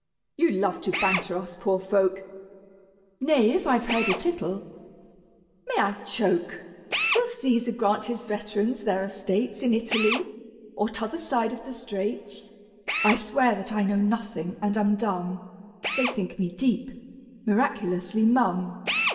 you love to banter us poor folk." "Nay, if I've heard a tittle, may I choke!" "Will Caesar grant his veterans their estates In Italy, or t'other side of the straits?" I swear that I know nothing, and am dumb: They think me deep, miraculously mum.